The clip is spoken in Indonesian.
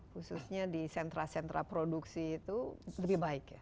khususnya di sentra sentra produksi itu lebih baik ya